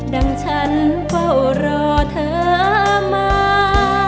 ดั่งฉันก็รอเธอมา